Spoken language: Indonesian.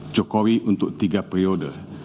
jokowi untuk tiga periode